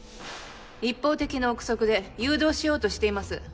一方的な臆測で誘導しようとしています。